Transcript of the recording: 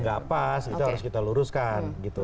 nggak pas itu harus kita luruskan gitu